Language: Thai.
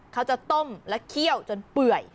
เขาจะต้มและเคี่ยวจนเปื่อย